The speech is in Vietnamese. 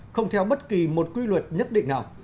không theo bất kỳ một quy luật nhất định nào